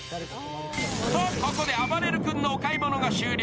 と、ここであばれる君のお買い物が終了。